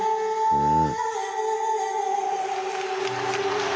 うん？